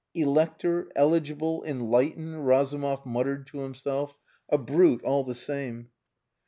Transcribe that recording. "Elector! Eligible! Enlightened!" Razumov muttered to himself. "A brute, all the same."